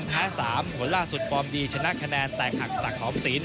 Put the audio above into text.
ผลล่าสุดฟอร์มดีชนะคะแนนแต่หักสักขอมศีล